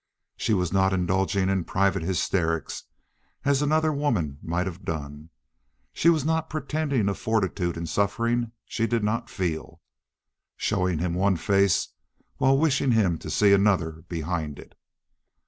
She was not indulging in private hysterics, as another woman might have done; she was not pretending a fortitude in suffering she did not feel, showing him one face while wishing him to see another behind it.